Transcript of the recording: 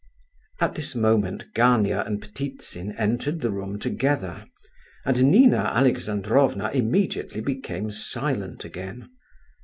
At this moment Gania and Ptitsin entered the room together, and Nina Alexandrovna immediately became silent again.